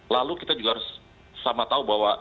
lalu kita juga harus sama tahu bahwa